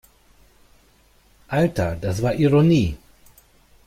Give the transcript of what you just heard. Alter, das war Ironie!